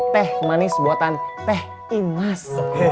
teh manis buatan teh imas